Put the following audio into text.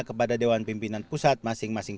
kepada dewan pimpinan pusat masing masing